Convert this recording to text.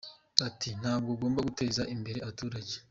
Ati “Ntabwo ugomba guteza imbere abaturage.